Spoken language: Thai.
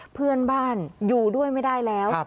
เพื่อนบ้านอยู่ด้วยไม่ได้แล้ว